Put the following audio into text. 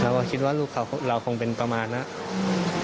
เราก็คิดว่ารูปเราคงเป็นประมาณนั้น